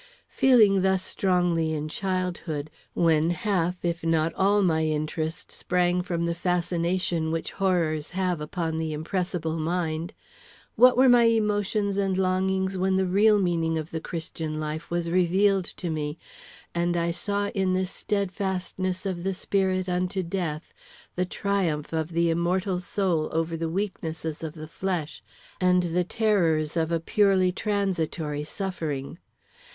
Feeling thus strongly in childhood, when half, if not all, my interest sprang from the fascination which horrors have upon the impressible mind, what were my emotions and longings when the real meaning of the Christian life was revealed to me, and I saw in this steadfastness of the spirit unto death the triumph of the immortal soul over the weaknesses of the flesh and the terrors of a purely transitory suffering!